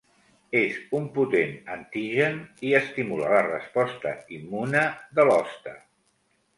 És un potent antigen i estimula la resposta immune de l'hoste.